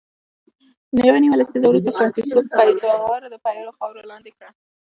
یوه نیمه لسیزه وروسته فرانسیسکو پیزارو د پیرو خاوره لاندې کړه.